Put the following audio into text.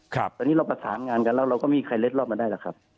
ตอนนี้เราประสานงานกันแล้วเราก็ไม่มีใครเล็ดรอดมาได้หรอกครับ